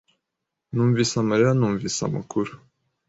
Numvise amarira numvise amakuru.